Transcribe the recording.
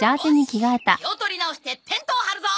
気を取り直してテントを張るぞ！